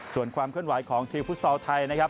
ส่วนความเคลื่อนไหวของทีมฟุตซอลไทยนะครับ